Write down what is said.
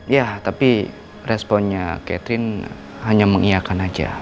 ya tapi responnya catherine hanya mengiakan aja